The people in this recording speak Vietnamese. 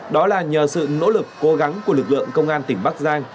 đó là nhờ sự nỗ lực cố gắng của lực lượng công an tỉnh bắc giang